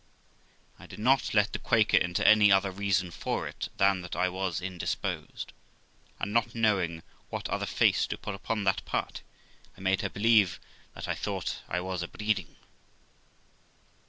I did not let the Quaker into any other reason for it than that I was indisposed ; and not knowing what other face to put upon that part, I made her believe that I thought I was a breeding.